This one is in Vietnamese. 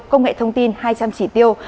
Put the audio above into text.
công nghệ thông tin hai trăm linh trí tiêu